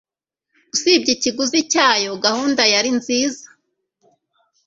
Usibye ikiguzi cyayo, gahunda yari nziza